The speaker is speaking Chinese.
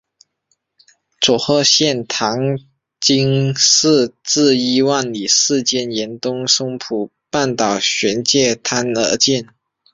佐贺县唐津市至伊万里市间沿东松浦半岛玄界滩而建。